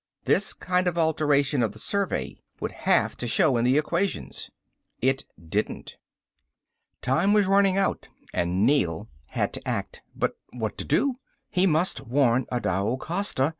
This kind of alteration of survey would have to show in the equations. It didn't. Time was running out and Neel had to act. But what to do? He must warn Adao Costa.